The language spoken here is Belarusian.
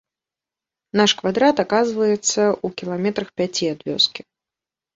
Наш квадрат аказваецца ў кіламетрах пяці ад вёскі.